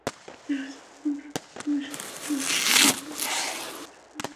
দেহ যখন সংযমের শাসনের অধীন থাকে, আত্মা তখন সবল হয়ে ওঠে।